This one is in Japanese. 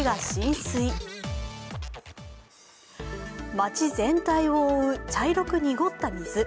町全体を覆う茶色く濁った水。